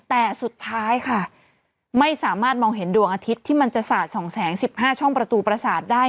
แต่สุดท้ายค่ะไม่สามารถมองเห็นดวงอาทิตย์ที่มันจะสาด๒แสง๑๕ช่องประตูประสาทได้